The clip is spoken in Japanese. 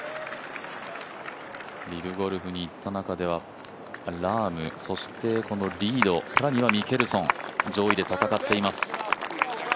リブゴルフに行った中ではラーム、そしてリード、更にはミケルソン、上位で戦っています。